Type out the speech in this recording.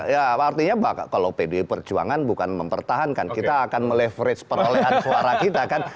ya artinya kalau pdi perjuangan bukan mempertahankan kita akan meleverage perolehan suara kita kan